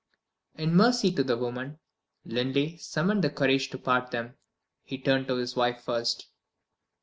In mercy to the woman, Linley summoned the courage to part them. He turned to his wife first.